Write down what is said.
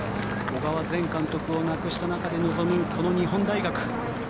小川前監督をなくした中で臨むこの日本大学。